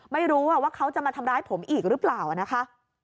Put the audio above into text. ไม่รู้ว่าเขาจะมาทำร้ายผมอีกหรือเปล่านะคะ